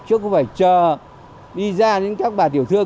chứ không phải chờ đi ra đến các bà tiểu thương